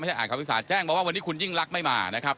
ไม่ใช่อ่านคำพิพากษาแจ้งว่าวันนี้คุณยิ่งรักษ์ไม่มานะครับ